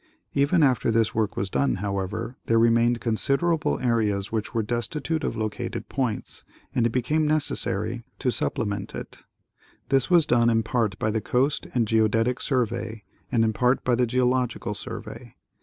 Even after this work was done, however, there remained considerable areas which were destitute of located points, and it became necessary to sup The Surney and Mai) ^f Massachusetts. 83 plement it. This was done in part by the Coast and Geodetic Survey and in part by the Geological Survey.